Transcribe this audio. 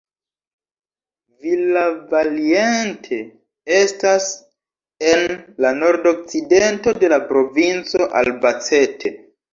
Villavaliente estas en la nordokcidento de la provinco Albacete.